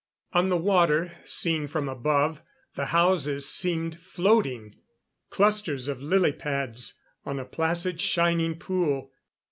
On the water seen from above the houses seemed floating clusters of lily pads on a placid shining pool.